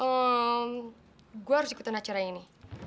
ehm gua harus ikutan acara ini